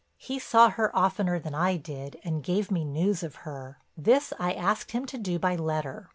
He saw her oftener than I did, and gave me news of her. This I asked him to do by letter.